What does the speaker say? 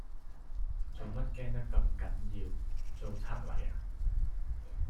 做乜驚得咁緊要，做贼嚟呀？